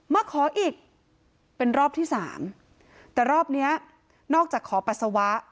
มาขออีกเป็นรอบที่สามแต่รอบเนี้ยนอกจากขอปัสสาวะ